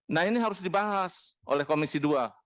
nah ini harus dibahas oleh komisi dua